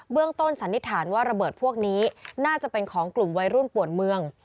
ต้นสันนิษฐานว่าระเบิดพวกนี้น่าจะเป็นของกลุ่มวัยรุ่นปวดเมือง